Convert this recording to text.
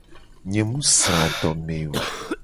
Nye mu sra adome o.